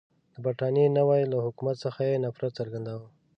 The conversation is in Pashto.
د برټانوي هند له حکومت څخه یې نفرت څرګندوه.